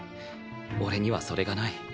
俺にはそれがない。